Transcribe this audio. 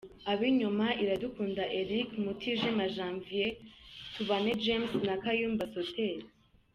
Ab’inyuma:Iradukunda Eric, Mutijima Janvier, Tubane James na Kayumba Soter.